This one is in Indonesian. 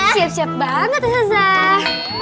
siap siap banget ustazah